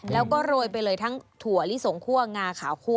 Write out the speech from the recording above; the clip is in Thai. แล้วก็โรยไปเลยทั้งถั่วลิสงคั่วงาขาวคั่ว